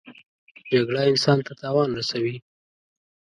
جګړه انسان ته تاوان رسوي